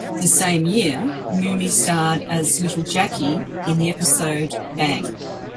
The same year, Mumy starred as little Jackie in the episode Bang!